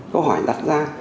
câu hỏi đặt ra